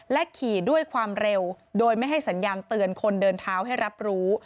ขี่ด้วยความเร็วโดยไม่ให้สัญญาณเตือนคนเดินเท้าให้รับรู้